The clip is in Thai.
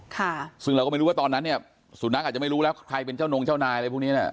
ค่ะซึ่งเราก็ไม่รู้ว่าตอนนั้นเนี่ยสุนัขอาจจะไม่รู้แล้วใครเป็นเจ้านงเจ้านายอะไรพวกเนี้ย